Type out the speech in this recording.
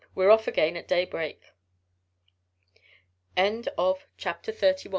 We're off again at daybreak." CHAPTER THIRTY TWO.